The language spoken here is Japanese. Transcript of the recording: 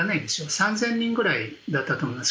３０００人ぐらいだったと思います。